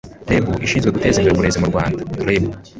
reb ishinzwe guteza imbere uburezi mu rwanda reb